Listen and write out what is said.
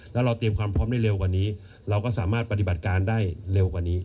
แล้วเราเตรียมความพร้อมได้เร็วกว่านี้เราก็สามารถปฏิบัติการได้เร็วกว่านี้